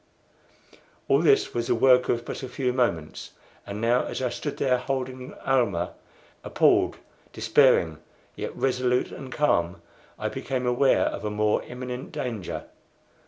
All this was the work of but a few moments. And now as I stood there holding Almah appalled, despairing, yet resolute and calm I became aware of a more imminent danger.